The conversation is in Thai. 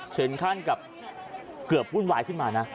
ถึงขั้นกับเกือบวุ่นวายขึ้นมานะ